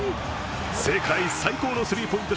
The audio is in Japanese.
世界最高のスリーポイント